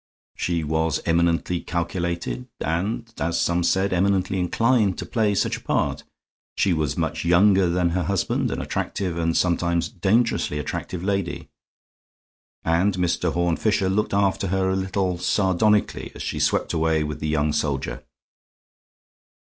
She was eminently calculated and, as some said, eminently inclined to play such a part. She was much younger than her husband, an attractive and sometimes dangerously attractive lady; and Mr. Horne Fisher looked after her a little sardonically as she swept away with the young soldier.